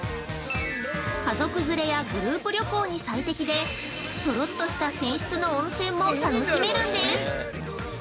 家族連れやグループ旅行に最適で、とろっとした泉質の温泉も楽しめるんです！